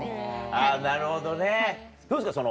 あぁなるほどね。どうですか？